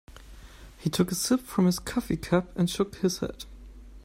He took a sip from his coffee cup and shook his head.